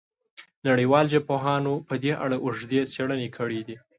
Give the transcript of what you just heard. نړیوالو ژبپوهانو په دې اړه اوږدې څېړنې کړې دي.